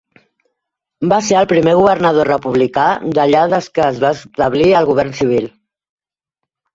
Va ser el primer governador republicà d'allà des que es va establir el govern civil.